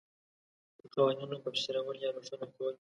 د قوانینو تفسیرول یا روښانه کول